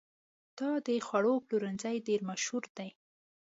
دا د خوړو پلورنځی ډېر مشهور دی.